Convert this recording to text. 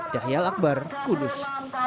dahil akbar kudus